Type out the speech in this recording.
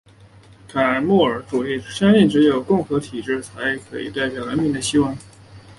凯末尔主义相信只有共和体制才可以代表人民的希望。